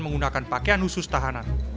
menggunakan pakaian khusus tahanan